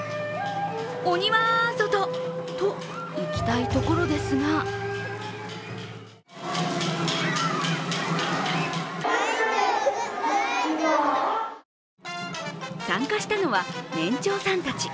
「鬼は外！」といきたいところですが参加したのは年長さんたち。